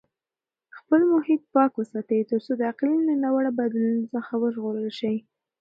خپل محیط پاک وساتئ ترڅو د اقلیم له ناوړه بدلونونو څخه وژغورل شئ.